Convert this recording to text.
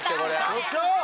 よっしゃ！